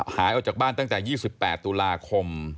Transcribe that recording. หายออกจากบ้านตั้งแต่๒๘ตุลาคม